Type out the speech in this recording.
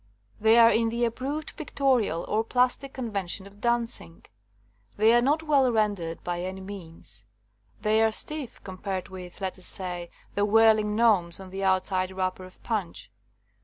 They are in the approved pictorial, or plastic, con vention of dancing. They are not well ren dered by any means. They are stiff com pared with, let us say, the whirling gnomes on the outside wrapper of Punch.